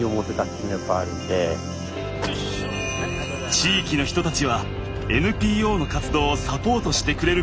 地域の人たちはＮＰＯの活動をサポートしてくれることに。